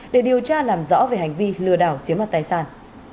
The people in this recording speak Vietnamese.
để điều tra làm rõ về hành vi lừa đảo chiếm mặt tài sản